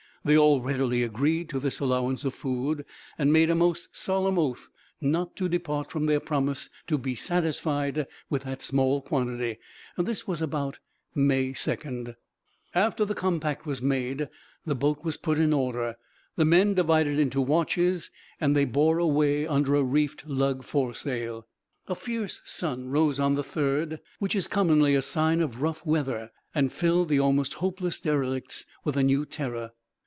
They all readily agreed to this allowance of food, and made a most solemn oath not to depart from their promise to be satisfied with the small quantity. This was about May 2. After the compact was made, the boat was put in order, the men divided into watches, and they bore away under a reefed lug foresail. A fiery sun rose on the 3d, which is commonly a sign of rough weather, and filled the almost hopeless derelicts with a new terror.